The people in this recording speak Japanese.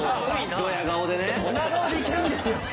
ドヤ顔でいけるんですよ。